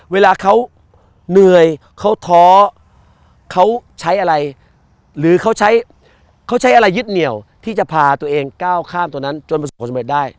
เวลาเขาเหนื่อยเขาท้อเขาใช้อะไรหรือเขาใช้เขาใช้อะไรยึดเหนียวที่จะพาตัวเองก้าวข้ามตรงนั้นจนประสบความสำเร็จได้